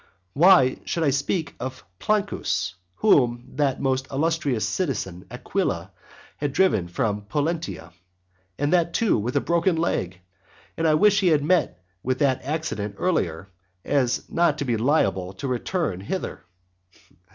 Why should I speak of Plancus? whom that most illustrious citizen Aquila has driven from Pollentia, and that too with a broken leg, and I wish he had met with that accident earlier, so as not to be liable to return hither.